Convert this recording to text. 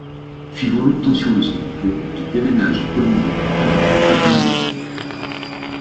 Suivant l'obtention de son diplôme, il déménage en Colombie-Britannique et devient médecin.